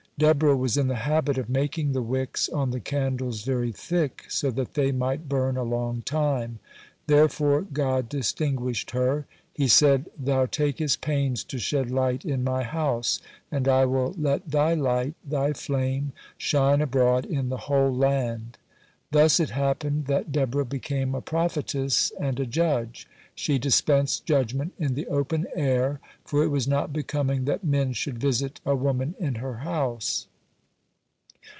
Deborah was in the habit of making the wicks on the candles very thick, so that they might burn a long time. Therefore God distinguished her. He said: "Thou takest pains to shed light in My house, and I will let thy light, thy flame, shine abroad in the whole land." Thus it happened that Deborah became a prophetess and a judge. She dispensed judgement in the open air, for it was not becoming that men should visit a woman in her house.